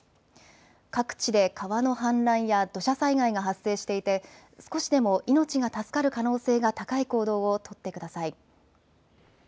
各地で川の氾濫や土砂災害が発生していて少しでも命が助かる可能性が高い行動を取ってください。